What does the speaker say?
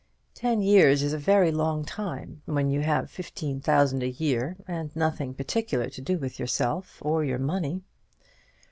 Ten years is a very long time when you have fifteen thousand a year and nothing particular to do with yourself or your money.